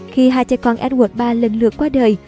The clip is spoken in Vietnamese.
khi hai cha con edward ba lần lượt qua đời